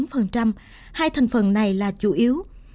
hai thành phần này là chủ yếu